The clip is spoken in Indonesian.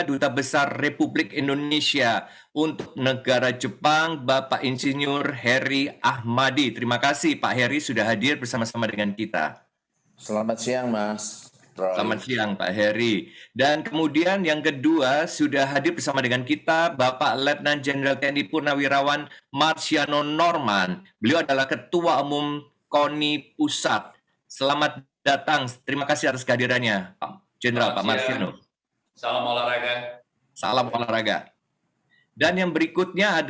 dan yang berikutnya adalah ibu prasetya